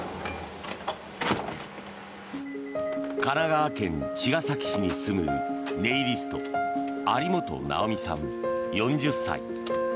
神奈川県茅ヶ崎市に住むネイリスト有本奈緒美さん、４０歳。